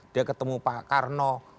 dia ketemu pak karno